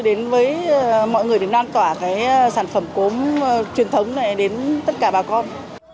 đến với mọi người để đoán tỏa sản phẩm cốm truyền thống này đến tất cả bà con